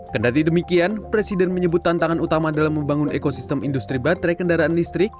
kendati demikian presiden menyebut tantangan utama dalam membangun ekosistem industri baterai kendaraan listrik